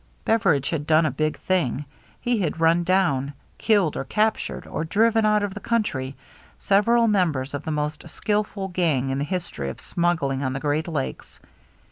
Beveridge had done a big thing. He had run down — killed or cap tured or driven out of the country — several members of the most skilful gang in the history of smuggling on the Great Lakes.